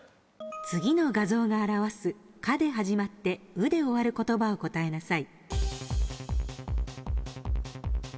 次の画像が表す「か」で始まって「う」で終わる言葉を答えなさい。